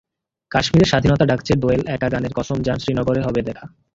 কাশ্মীরে স্বাধীনতা ডাকছে দোয়েল একা গানের কসম জান শ্রীনগরে হবে দেখা।